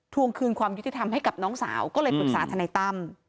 วงคืนความยุติธรรมให้กับน้องสาวก็เลยปรึกษาทนายตั้ม